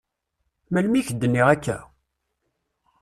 Melmi k-d-nniɣ akka?